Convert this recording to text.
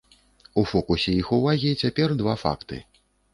У фокусе іх увагі цяпер два факты.